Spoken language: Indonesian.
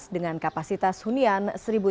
dengan kapasitas hunian satu tiga ratus delapan